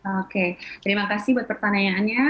oke terima kasih buat pertanyaannya